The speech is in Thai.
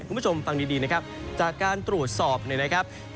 คุณผู้ชมฟังดีนะครับจากการตรวจสอบเนี่ยนะครับ